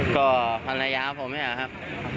ก็ภรรยาผมเนี่ยครับ